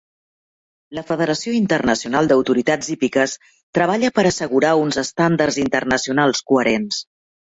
La Federació Internacional d'Autoritats Hípiques treballa per assegurar uns estàndards internacionals coherents.